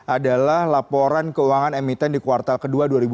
adalah laporan keuangan emiten di kuartal ke dua dua ribu dua puluh